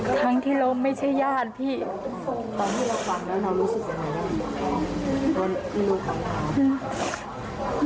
ทั้งที่เราไม่ใช่ญาติพี่